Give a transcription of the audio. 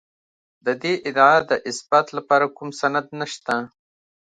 د دې ادعا د اثبات لپاره کوم سند نشته.